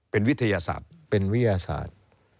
เป็นวิทยาศาสตร์เป็นวิทยาศาสตร์